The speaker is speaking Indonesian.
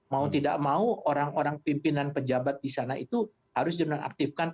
mau tidak mau orang orang pimpinan pejabat di sana itu harus dinonaktifkan